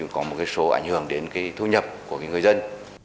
có một cái số ảnh hưởng đến cái thu nhập của người dân